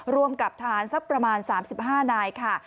รวมกับทหารสักประมาณ๓๕นายค่ะ